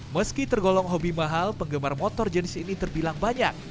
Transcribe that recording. meski tergolong hobi mahal penggemar motor jenis ini terbilang banyak